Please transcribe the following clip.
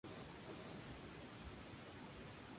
No hubo hechos significativos registrados durante su reinado.